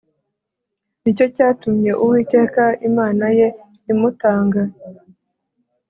Ni cyo cyatumye Uwiteka Imana ye imutanga